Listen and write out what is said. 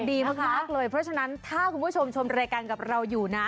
ดีมากเลยเพราะฉะนั้นถ้าคุณผู้ชมชมรายการกับเราอยู่นะ